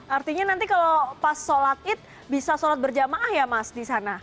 artinya nanti kalau pas sholat id bisa sholat berjamaah ya mas di sana